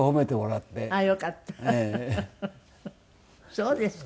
そうですか。